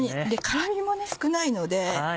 辛みも少ないので。